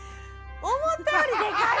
思ったよりでかい。